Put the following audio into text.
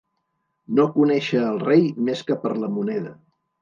No conéixer el rei més que per la moneda.